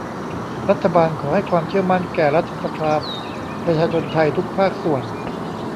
รัฐบาลขอให้ความเชื่อมั่นแก่รัฐสภา ประชาชนไทยทุกภาคส่วน